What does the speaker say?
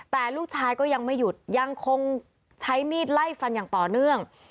แต่ลูกชายก็ยังไม่หยุดยังคงใช้มีดไล่ฟันอย่างต่อเนื่อง